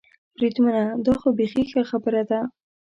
بریدمنه، دا خو بېخي ښه خبره ده.